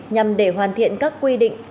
nhằm để hoàn thiện các quy định